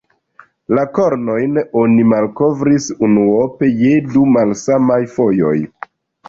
La kornojn oni malkovris unuope je du malsamaj fojoj.